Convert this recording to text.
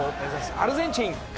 アルゼンチン対